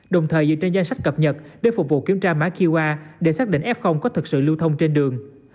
đồng thời dựa trên danh sách cập nhật để phục vụ kiểm tra mã qr để xác định f có thực sự lưu thông trên đường